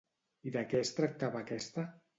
I de què es tractava aquesta?